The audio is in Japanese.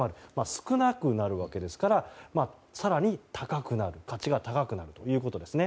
少なくなるわけですから、更に価値が高くなるということです。